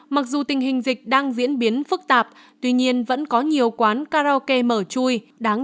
mặc dù tình hình dịch đang diễn biến phức tạp tuy nhiên vẫn có nhiều quán karaoke mở chui đáng